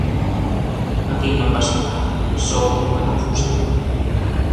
Aquí non pasou nada, só unha "confusión".